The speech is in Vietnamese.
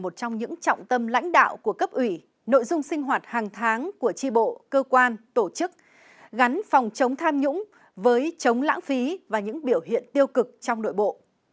trong những trọng tâm lãnh đạo của cấp ủy nội dung sinh hoạt hàng tháng của tri bộ cơ quan tổ chức gắn phòng chống tham nhũng với chống lãng phí và những biểu hiện tiêu cực trong nội bộ